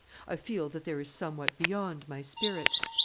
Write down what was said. I feel that there is somewhat beyond my spirit.